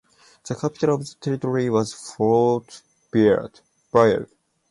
The capital of the territory was Fort-Bayard.